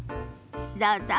どうぞ。